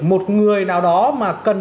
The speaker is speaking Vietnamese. một người nào đó mà cần